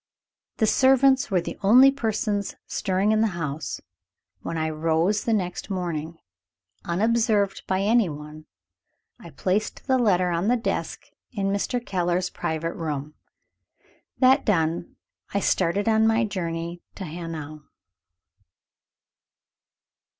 The servants were the only persons stirring in the house, when I rose the next morning. Unobserved by anyone, I placed the letter on the desk in Mr. Keller's private room. That done, I started on my journey to Hanau.